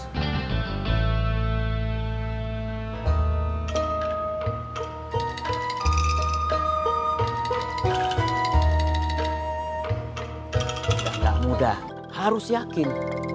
sudah nggak mudah harus yakin